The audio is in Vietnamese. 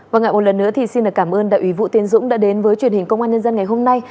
và ngại một lần nữa thì xin cảm ơn đại ủy vũ tiến dũng đã đến với truyền hình công an nhân dân ngày hôm nay